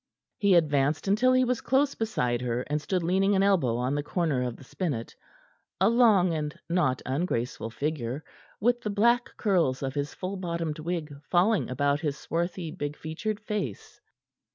He advanced until he was close beside her, and stood leaning an elbow on the corner of the spinet, a long and not ungraceful figure, with the black curls of his full bottomed wig falling about his swarthy, big featured face.